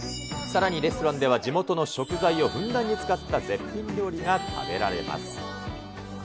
さらにレストランでは、地元の食材をふんだんに使った絶品料理が食べられます。